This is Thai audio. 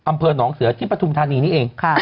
อำเภอหนองเสือที่ปฐุมธานีนี่เอง